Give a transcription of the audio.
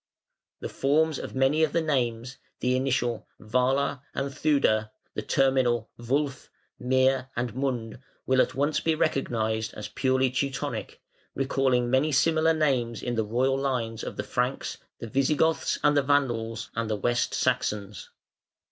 The forms of many of the names, the initial "Wala" and "Theude", the terminal "wulf", "mir", and "mund" will be at once recognised as purely Teutonic, recalling many similar names in the royal lines of the Franks, the Visigoths and the Vandals, and the West Saxons.